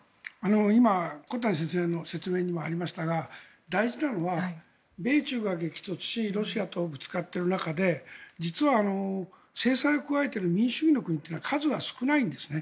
今、小谷先生の説明にもありましたが大事なのは、米中が激突しロシアとぶつかっている中で実は、制裁を加えている民主主義の国というのは数は少ないんですね。